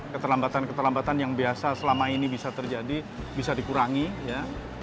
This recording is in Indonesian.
keterlambatan keterlambatan yang biasa selama ini bisa terjadi bisa dikurangi ya